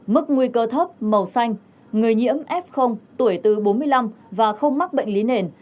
mức nguy cơ thấp màu xanh người nhiễm f tuổi từ bốn mươi năm và không mắc bệnh lý nền